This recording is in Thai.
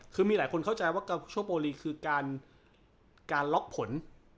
คือมีหลายคนเข้าใจว่าโชว์โปรลีคือการล็อกผล